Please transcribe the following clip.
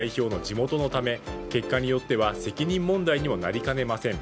更に京都は立憲の泉代表の地元のため結果によっては責任問題にもなりかねません。